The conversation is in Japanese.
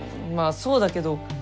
まあそうだけど。